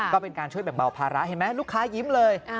ก็เป็นการช่วยแบ่งเบาภาระเห็นไหมลูกค้ายิ้มเลย